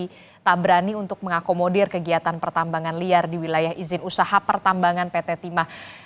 kita berani untuk mengakomodir kegiatan pertambangan liar di wilayah izin usaha pertambangan pt timah